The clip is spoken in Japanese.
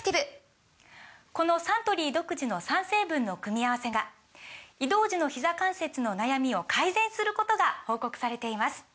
このサントリー独自の３成分の組み合わせが移動時のひざ関節の悩みを改善することが報告されています